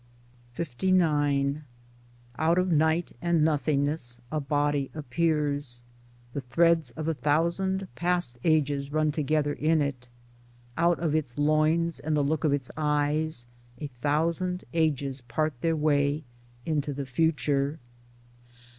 LIX Out of Night and Nothingness a Body appears. The threads of a thousand past ages run together in it; out of its loins and the look of its eyes a thousand ages part their way into the future.